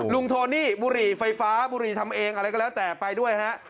โทนี่บุหรี่ไฟฟ้าบุรีทำเองอะไรก็แล้วแต่ไปด้วยฮะ